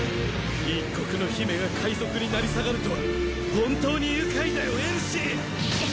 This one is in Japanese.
一国の姫が海賊に成り下がるとは本当に愉快だよエルシー！